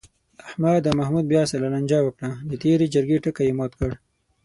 احمد او محمود بیا سره لانجه وکړه، د تېرې جرگې ټکی یې مات کړ.